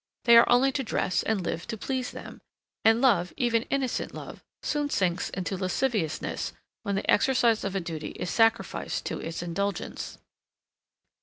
They are only to dress and live to please them: and love, even innocent love, soon sinks into lasciviousness when the exercise of a duty is sacrificed to its indulgence.